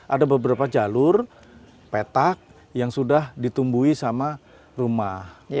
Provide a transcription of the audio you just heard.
ada beberapa jalur petak yang sudah ditumbuhi sama rumah